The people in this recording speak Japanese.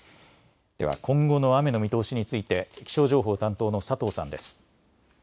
では今後の雨の見通しについて気象情報担当の佐藤さんです。